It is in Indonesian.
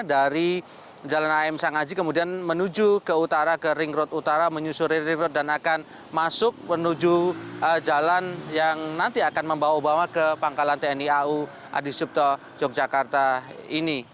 dari jalan am sangaji kemudian menuju ke utara ke ring road utara menyusuri ring road dan akan masuk menuju jalan yang nanti akan membawa obama ke pangkalan tni au adi supto yogyakarta ini